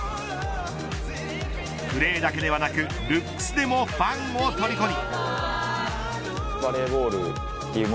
プレーだけではなくルックスでもファンをとりこに。